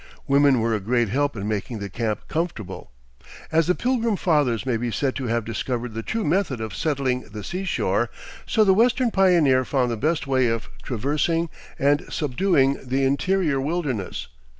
Women were a great help in making the camp comfortable. As the Pilgrim Fathers may be said to have discovered the true method of settling the sea shore, so the Western pioneer found the best way of traversing and subduing the interior wilderness.